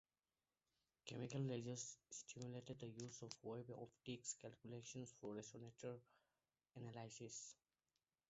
Chemical lasers stimulated the use of wave-optics calculations for resonator analysis.